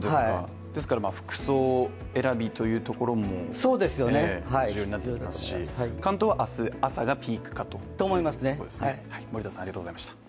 服装選びというところも重要になってきますし関東は明日朝がピークかと。